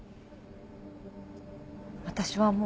私はもう。